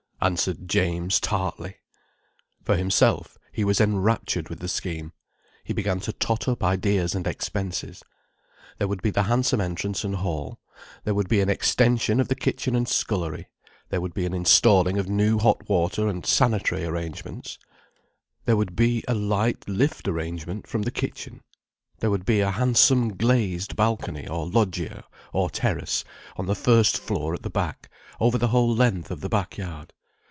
answered James tartly. For himself, he was enraptured with the scheme. He began to tot up ideas and expenses. There would be the handsome entrance and hall: there would be an extension of the kitchen and scullery: there would be an installing of new hot water and sanitary arrangements: there would be a light lift arrangment from the kitchen: there would be a handsome glazed balcony or loggia or terrace on the first floor at the back, over the whole length of the back yard.